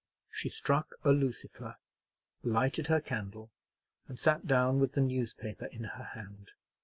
She struck a lucifer, lighted her candle, and sat down with the newspaper in her hand.